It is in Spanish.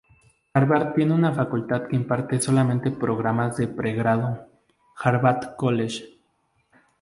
Harvard tiene una facultad que imparte solamente programas de pregrado, Harvard College.